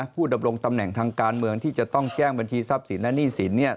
ดำรงตำแหน่งทางการเมืองที่จะต้องแจ้งบัญชีทรัพย์สินและหนี้สิน